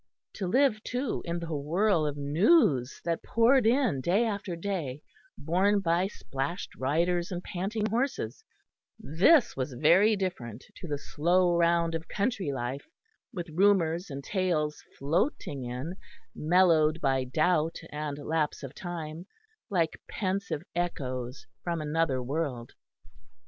To live, too, in the whirl of news that poured in day after day borne by splashed riders and panting horses; this was very different to the slow round of country life, with rumours and tales floating in, mellowed by doubt and lapse of time, like pensive echoes from another world.